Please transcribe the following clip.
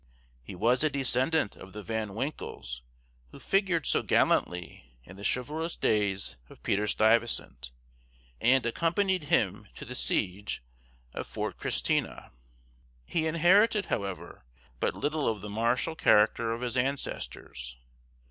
He was a descendant of the Van Winkles who figured so gallantly in the chivalrous days of Peter Stuyvesant, and accompanied him to the siege of Fort Christina. He inherited, however, but little of the martial character of his ancestors.